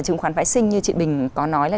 chứng khoán phái sinh như chị bình có nói là